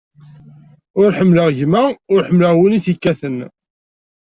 Ur ḥemmleɣ gma, ur ḥemmleɣ wi t-ikkaten.